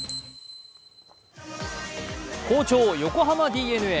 好調・横浜ＤｅＮＡ。